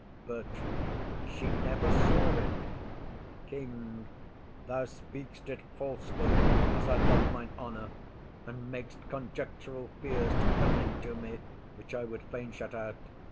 BERTRAM. She never saw it. KING. Thou speak'st it falsely, as I love mine honour, And mak'st conjectural fears to come into me Which I would fain shut out.